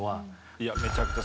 いや、めちゃくちゃ！